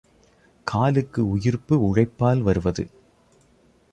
காலுக்கு உயிர்ப்பு உழைப்பால் வருவது.